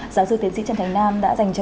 giáo sư tiến sĩ trần thành nam đã dành cho